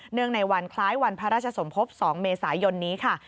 ในวันคล้ายวันพระราชสมภพ๒เมษายนนี้ค่ะ